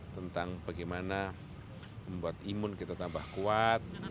tentang bagaimana membuat imun kita tambah kuat